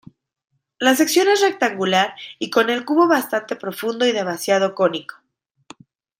La sección es rectangular y con el cubo bastante profundo y de vaciado cónico.